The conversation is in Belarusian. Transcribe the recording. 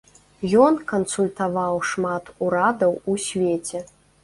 Ён кансультаваў шмат урадаў у свеце.